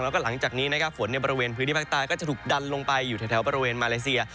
แล้วก็หลังจากนี้นะครับฝนในบริเวณพื้นที่ภาคใต้ก็จะถูกดันลงไปอยู่แถวบริเวณมาเลเซีย